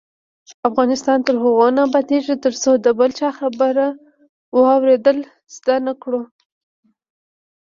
افغانستان تر هغو نه ابادیږي، ترڅو د بل چا خبره واوریدل زده نکړو.